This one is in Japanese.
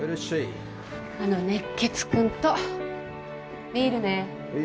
あの熱血君とビールね